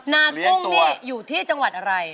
นากุ้งนี่อยู่ที่จังหวัดอะไร